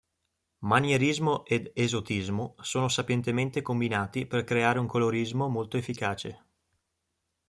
Manierismo ed esotismo sono sapientemente combinati per creare un colorismo molto efficace.